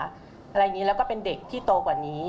อะไรอย่างนี้แล้วก็เป็นเด็กที่โตกว่านี้